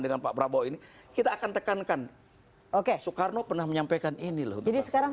dengan pak prabowo ini kita akan tekankan oke soekarno pernah menyampaikan ini loh jadi sekarang